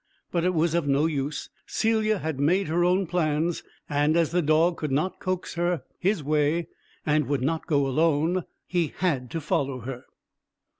But it was of no use; Celia had made her own plans, and, as the dog could not coax her his way, and would not go alone, he had to follow her.